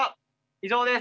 以上です。